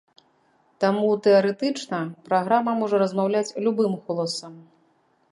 Таму тэарэтычна праграма можа размаўляць любым голасам.